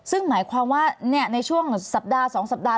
ซึ่งหมายความว่าในช่วงสัปดาห์๒สัปดาห์